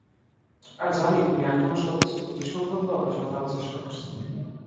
আর জানি তুমি এখনও সবকিছু যুক্তিসঙ্গতভাবে সাজানোর চেষ্টা করছো।